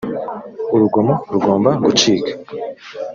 urugomo rugomba gucika